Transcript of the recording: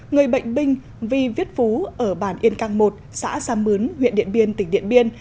người bệnh binh vi viết phú ở bản yên căng một xã sam mướn huyện điện biên tỉnh điện biên